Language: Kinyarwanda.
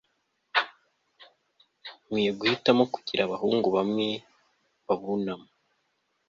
nkwiye guhitamo kugira abahungu bamwe babunama